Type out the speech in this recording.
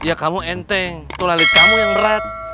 hai ya kamu enteng tulalit kamu yang berat